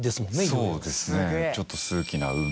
そうですねちょっと。